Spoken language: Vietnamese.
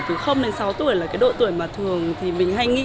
từ đến sáu tuổi là cái độ tuổi mà thường thì mình hay nghĩ